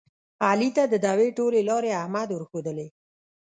علي ته د دعوې ټولې لارې احمد ورښودلې.